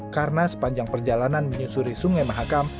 karena sepanjang perjalanan menyusuri sungai mahakam